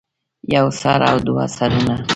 يو سر او دوه سرونه